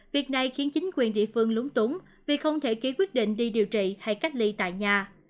việc này khiến chính quyền địa phương lúng túng vì không thể ký quyết định đi điều trị hay cách ly tại nhà